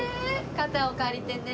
肩を借りてね。